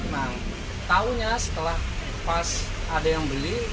nah tahunya setelah pas ada yang beli